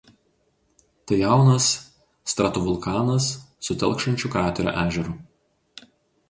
Tai jaunas stratovulkanas su telkšančiu kraterio ežeru.